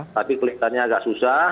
tapi kelektarnya agak susah